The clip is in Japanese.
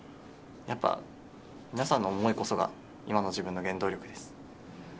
やっぱ、皆さんの思いこそが今の自分の原動力です。